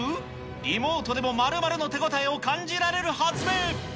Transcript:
リモートでも○○の手応えを感じられる発明。